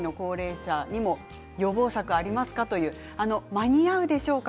間に合うでしょうか？